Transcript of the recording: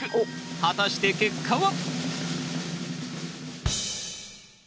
果たして結果は？